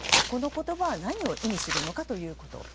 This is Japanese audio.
この言葉は何を意味するのかということ。